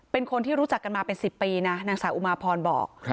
เป็นคนที่รู้จักกันมาเป็น๑๐ปีนะนางสาวอุมาพรบอก